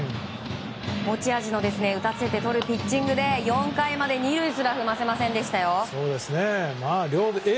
持ち味の打たせてとるピッチングで４回まで２塁すら踏ませませんでしたよ。